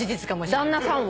旦那さんを？